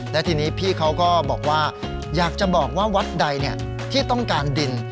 และทีนี้พี่เขาก็บอกว่าอยากจะบอกว่าวัดใดที่ต้องการดิน